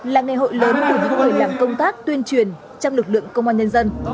là ngày hội lớn của những người làm công tác tuyên truyền trong lực lượng công an nhân dân